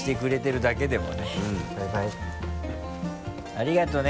ありがとうね